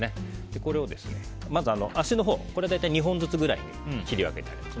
これをまず、脚のほう２本ずつくらいに切り分けてあります。